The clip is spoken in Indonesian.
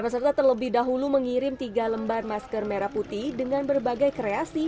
peserta terlebih dahulu mengirim tiga lembar masker merah putih dengan berbagai kreasi